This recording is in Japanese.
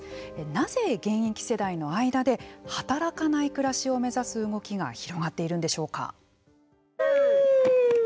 なぜ現役世代の間で働かない暮らしを目指す動きが広がっているんでしょうか。